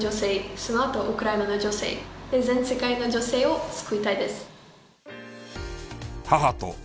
そのあとウクライナの女性全世界の女性を救いたいです。